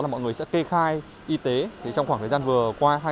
là mọi người sẽ kê khai y tế trong khoảng thời gian vừa qua